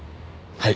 はい。